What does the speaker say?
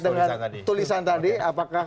dengan tulisan tadi apakah